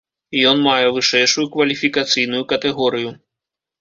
Ён мае вышэйшую кваліфікацыйную катэгорыю.